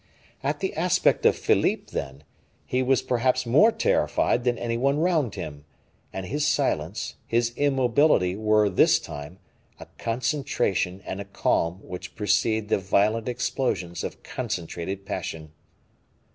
At the aspect of Philippe, then, he was perhaps more terrified than any one round him, and his silence, his immobility were, this time, a concentration and a calm which precede the violent explosions of concentrated passion.